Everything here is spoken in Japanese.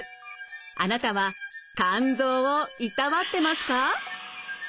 あなたは肝臓をいたわってますか？